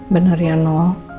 benar ya no